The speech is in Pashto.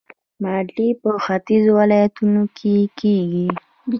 مالټې په ختیځو ولایتونو کې کیږي